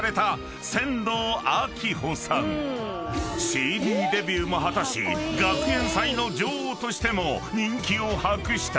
［ＣＤデビューも果たし学園祭の女王としても人気を博した］